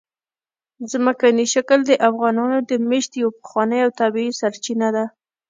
ځمکنی شکل د افغانانو د معیشت یوه پخوانۍ او طبیعي سرچینه ده.